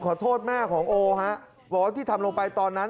ขอโทษแม่ของโอฮะบอกว่าที่ทำลงไปตอนนั้น